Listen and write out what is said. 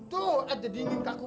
tuh aja dingin kaku